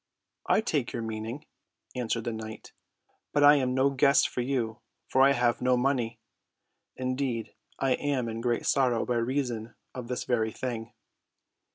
"I take your meaning," answered the knight, "but I am no guest for you, for I have no money. Indeed, I am in great sorrow by reason of this very thing.